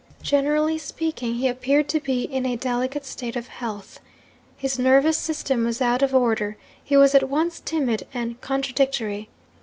Generally speaking, he appeared to be in a delicate state of health. His nervous system was out of order he was at once timid and contradictory.